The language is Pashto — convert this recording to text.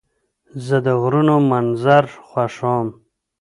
زه د غرونو منظر خوښوم.